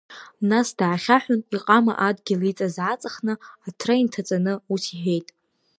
Нас даахьаҳәын, иҟама адгьыл иҵаз ааҵыхны, аҭра инҭаҵаны, ус иҳәеит…